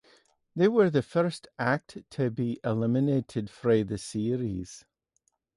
They were the first act to be eliminated from the series.